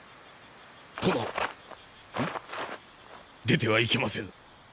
出てはいけませぬ！